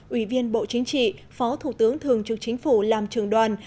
ủy viên bộ chính trị phó thủ tướng thường trực chính phủ làm trường đoàn